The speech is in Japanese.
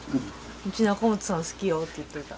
うち中本さん好きよって言っといた。